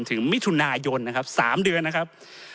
ถึงมิถุนายนนะครับ๓เดือนนะครับ